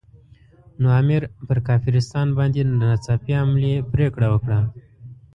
نو امیر پر کافرستان باندې د ناڅاپي حملې پرېکړه وکړه.